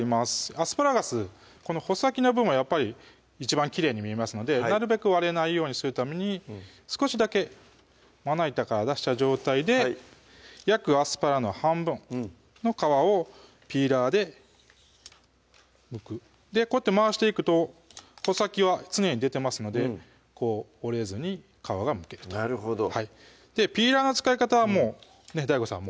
アスパラガスこの穂先の部分はやっぱり一番きれいに見えますのでなるべく割れないようにするために少しだけまな板から出した状態で約アスパラの半分の皮をピーラーでむくこうやって回していくと穂先は常に出てますのでこう折れずに皮がむけるとなるほどピーラーの使い方はもうＤＡＩＧＯさん